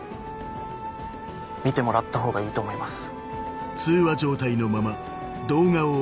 見てもらった方がいいと思います。